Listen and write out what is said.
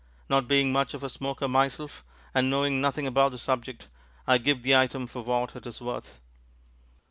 Not being much of a smoker myself, and knowing nothing about the subject, I give the item for what it is worth.